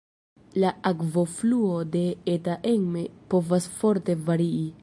La akvofluo de Eta Emme povas forte varii.